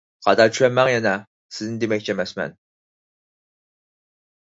خاتا چۈشەنمەڭ يەنە، سىزنى دېمەكچى ئەمەسمەن.